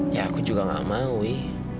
ya aku juga gak mau ya